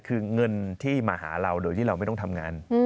คือเงินที่มาหาเราโดยที่เราไม่ต้องทำงาน